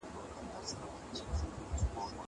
زه اجازه لرم چي درسونه اورم.